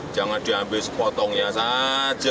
jangan diambil sepotongnya saja